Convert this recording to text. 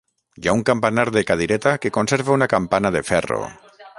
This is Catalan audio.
Hi ha un campanar de cadireta que conserva una campana de ferro.